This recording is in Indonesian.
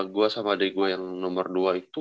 gue sama adik gue yang nomor dua itu